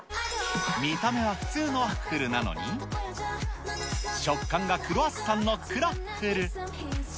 見た目は普通のワッフルなのに、食感がクロワッサンのクロッフル。